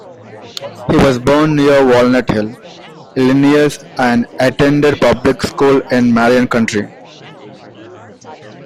He was born near Walnut Hill, Illinois, and attended public schools in Marion County.